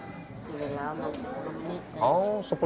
tidak lama sepuluh menit saja